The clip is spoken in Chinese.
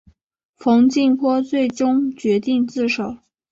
冯静波最终决定自首。